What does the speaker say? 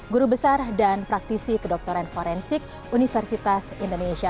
guru besar dan praktisi kedokteran forensik universitas indonesia